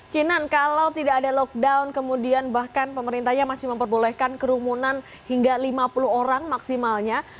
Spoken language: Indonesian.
kinan kalau tidak ada lockdown kemudian bahkan pemerintahnya masih memperbolehkan kerumunan hingga lima puluh orang maksimalnya